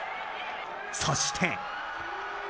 そして。